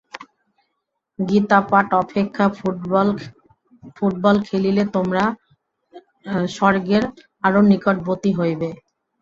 গীতাপাঠ অপেক্ষা ফুটবল খেলিলে তোমরা স্বর্গের আরও নিকটবর্তী হইবে।